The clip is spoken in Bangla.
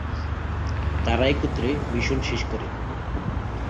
তারা একত্রে মিশন শেষ করে।